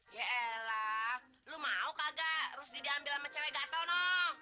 yaelah lo mau kagak rus didiambil sama cewek gatau noh